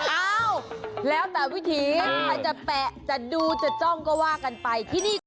เอ้าแล้วแต่วิธีถ้าจะแปะจะดูจะจ้องก็ว่ากันไป